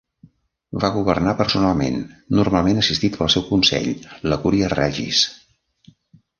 Va governar personalment, normalment assistit pel seu consell, la Curia Regis.